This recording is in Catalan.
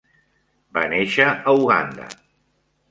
Va néixer a Uganda.